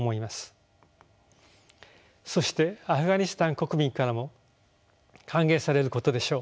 そしてアフガニスタン国民からも歓迎されることでしょう。